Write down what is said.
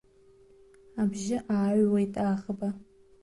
Абжьы ааҩуеит аӷба.